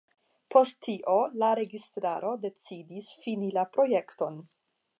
Post tio, la registaro decidis fini la projekton.